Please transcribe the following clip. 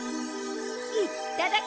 いっただき！